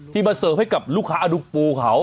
มาเสิร์ฟให้กับลูกค้าดูปูเขา